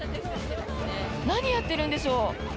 何やってるんでしょう。